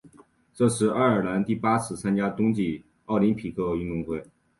这是爱尔兰第八次参加冬季奥林匹克运动会。